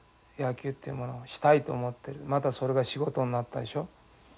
野球っていうものをしたいと思ってるまたそれが仕事になったでしょ。